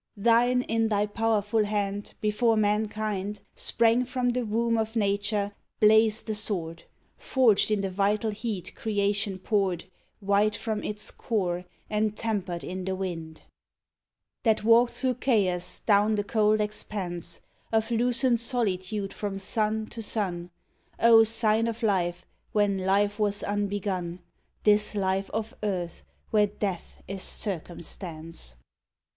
Thine, in thy powerful hand, before mankind Sprang from the womb of nature, blazed the sword, Forged in the vital heat creation poured, White from its core and tempered in the wind, That walked through chaos down the cold expanse Of lucent solitude from sun to sun ! O sign of life when life was unbegun, This life of earth where death is circumstance